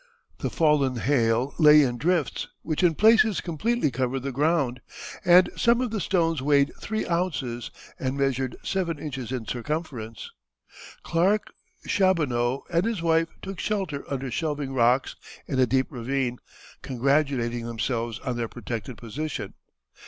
The fallen hail lay in drifts, which in places completely covered the ground, and some of the stones weighed three ounces and measured seven inches in circumference. Clark, Chaboneau and his wife took shelter under shelving rocks in a deep ravine, congratulating themselves on their protected position.